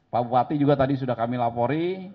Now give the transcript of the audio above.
pak bupati juga tadi sudah kami lapori